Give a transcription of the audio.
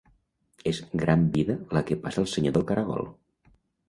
És gran vida la que passa el senyor del caragol.